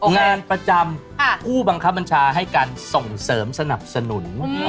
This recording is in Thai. งานประจำผู้บังคับบัญชาให้การส่งเสริมสนับสนุน